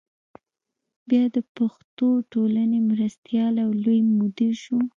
بیا د پښتو ټولنې مرستیال او لوی مدیر شو.